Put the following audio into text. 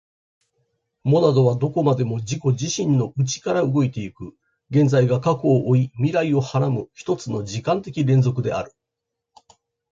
モナドはどこまでも自己自身の内から動いて行く、現在が過去を負い未来を孕はらむ一つの時間的連続である。